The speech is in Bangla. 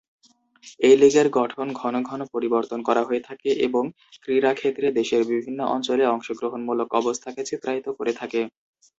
এই লীগের গঠন ঘনঘন পরিবর্তন করা হয়ে থাকে এবং ক্রীড়া ক্ষেত্রে দেশের বিভিন্ন অঞ্চলে অংশগ্রহণমূলক অবস্থাকে চিত্রায়িত করে থাকে।